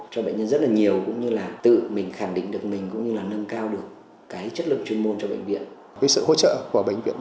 cho bệnh nhân rất là nhiều cũng như là tự mình khẳng định được mình cũng như là nâng cao được cái chất lượng chuyên môn cho bệnh viện